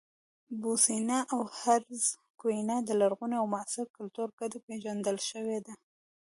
بوسنیا او هرزګوینا د لرغوني او معاصر کلتور ګډه پېژندل شوې ده.